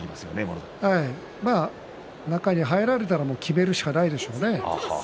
中に入られたらきめるしかないでしょうね。